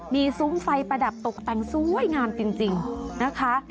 มีซุ้มไฟประดับตกแต่งสวยงามจริงนะคะ